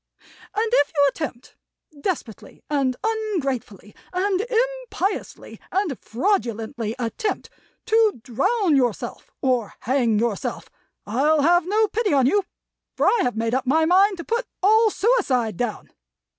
And if you attempt, desperately and ungratefully, and impiously, and fraudulently attempt, to drown yourself, or hang yourself, I'll have no pity on you, for I have made up my mind to Put all suicide Down!